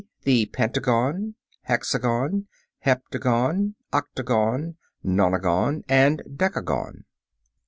_, the pentagon, hexagon, heptagon, octagon, nonagon, and decagon.